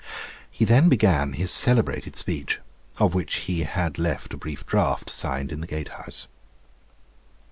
He then began his celebrated speech, of which he had left a brief draft signed in the Gate House.